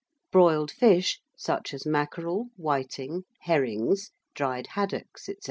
Broiled fish, such as mackerel, whiting, herrings, dried haddocks, &c.